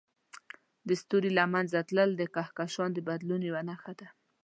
د ستوري له منځه تلل د کهکشان د بدلون یوه نښه ده.